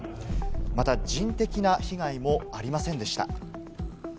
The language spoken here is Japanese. また人的な被害もありませんでした。